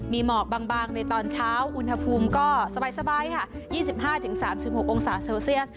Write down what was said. มีหมอกบางในตอนเช้าอุณหภูมิก็สบายค่ะ๒๕๓๖องศาเซลเซียส